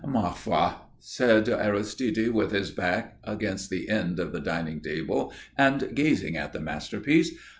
"Ma foi," said Aristide, with his back against the end of the dining table and gazing at the masterpiece.